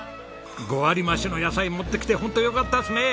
５割増しの野菜持ってきてホントよかったですね！